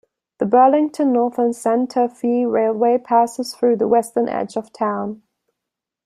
The Burlington Northern Santa Fe Railway passes through the western edge of town.